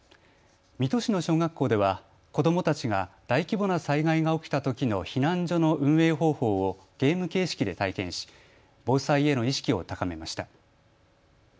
水戸市の小学校では子どもたちが大規模な災害が起きたときの避難所の運営方法をゲーム形式で体験し防災への意識を高めました。